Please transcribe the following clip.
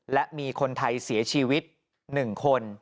และมีคนไทยเสียชีวิต๑คน